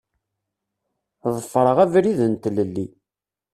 Ḍefreɣ abrid n tlelli.